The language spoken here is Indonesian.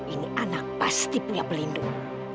ini anak pasti punya pelindung